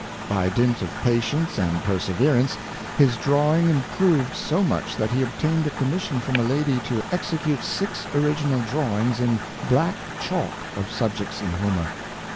By dint of patience and perseverance his drawing improved so much that he obtained a com mission from a lady to execute six original drawings in black chalk of subjects in Homer.